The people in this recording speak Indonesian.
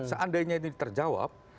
seandainya ini terjawab